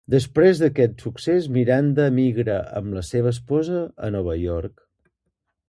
Després d'aquest succés, Miranda emigra amb la seva esposa a Nova York.